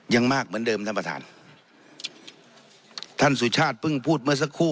ยังมากเหมือนเดิมท่านประธานท่านสุชาติเพิ่งพูดเมื่อสักครู่